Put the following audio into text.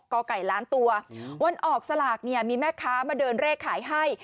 กไก่ล้านตัววันออกสลากเนี่ยมีแม่ค้ามาเดินเลขขายให้